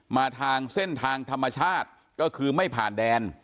มาทางเส้นทางธรรมชาติก็คือไม่ผ่านแดน